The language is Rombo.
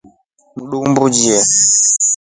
Mtuumbulyeni.